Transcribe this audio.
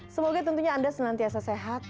semoga tentunya anda senantiasa sehat